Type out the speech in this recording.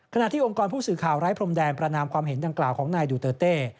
ที่องค์กรผู้สื่อข่าวไร้พรมแดนประนามความเห็นดังกล่าวของนายดูเตอร์เต้